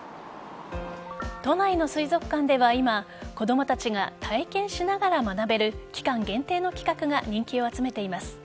都内の水族館では今子供たちが体験しながら学べる期間限定の企画が人気を集めています。